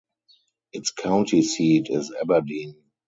Its county seat is Aberdeen.